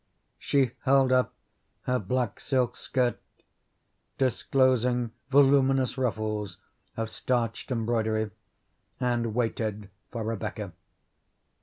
She held up her black silk skirt, disclosing voluminous ruffles of starched embroidery, and waited for Rebecca.